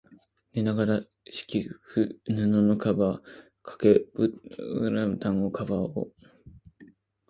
寝ながら、敷布、枕のカバー、掛け蒲団のカバーを、